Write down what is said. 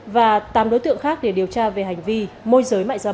và tám đối tượng khác để điều tra về hành vi môi giới mại dâm